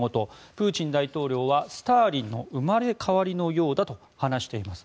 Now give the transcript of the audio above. プーチン大統領はスターリンの生まれ変わりのようだと話しています。